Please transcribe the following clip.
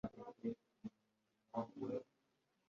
Pape Kouly Diop (Espanyol Barcelone